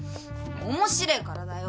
面白えからだよ。